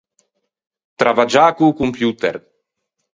Travaggiâ co-o computer.